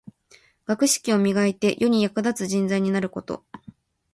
学識を磨いて、世に役立つ人材になること。